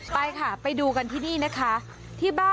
ไปค่ะไปดูกันที่นี่นะคะ